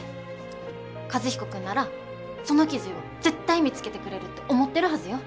和彦君ならその記事を絶対見つけてくれるって思ってるはずよ。